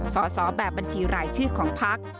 สอบแบบบัญชีรายชื่อของพัก